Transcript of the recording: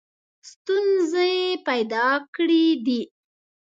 ستونزې پیدا کړي دي.